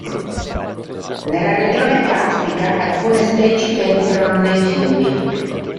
Nella regione caspica alcune specie penetrano nei fiumi.